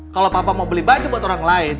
kalau papa mau beli baju buat orang lain